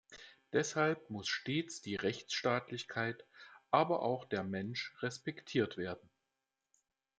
Deshalb muss stets die Rechtsstaatlichkeit, aber auch der Mensch respektiert werden.